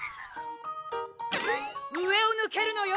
うえをぬけるのよ！